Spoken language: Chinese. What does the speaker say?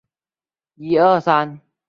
此举激起云南各地回民的反抗。